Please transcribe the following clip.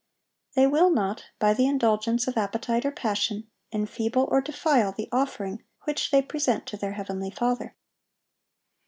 They will not, by the indulgence of appetite or passion, enfeeble or defile the offering which they present to their heavenly Father.